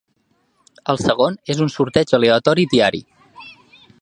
El segon és un sorteig aleatori diari.